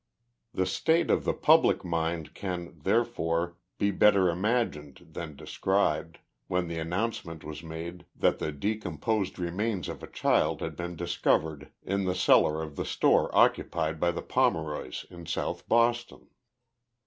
The state of the public mind can, therefore, be better imag ined than described, when the announcement was made that the decomposed remains of a child had been discovered in the cellar of the store occupied by the Pomeroys in South Boston.